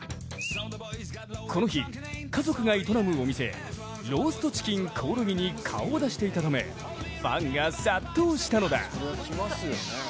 この日、家族が営むお店、ローストチキンコオロギに顔を出していたためファンが殺到したのだ。